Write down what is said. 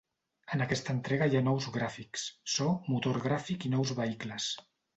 En aquesta entrega hi ha nous gràfics, so, motor gràfic i nous vehicles.